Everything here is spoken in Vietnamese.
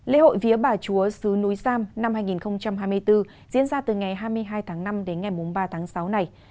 lễ hội vía bà chúa sứ núi sam năm hai nghìn hai mươi bốn diễn ra từ ngày hai mươi hai tháng năm đến ngày ba tháng sáu này